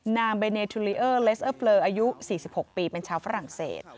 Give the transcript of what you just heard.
นางเบเนทูลิเออร์เลสเออร์เลอร์อายุ๔๖ปีเป็นชาวฝรั่งเศส